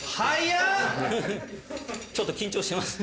ちょっと緊張してます。